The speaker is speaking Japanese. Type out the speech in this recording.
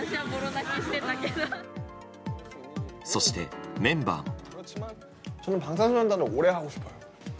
そしてメンバーも。